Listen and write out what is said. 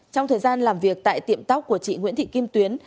trong thời gian làm việc tại tiệm tóc của chị nguyễn thị kim tuyến